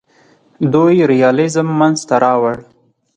دوی ریالیزم منځ ته راوړ.